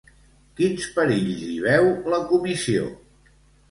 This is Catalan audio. Quins perills hi veu la Comissió?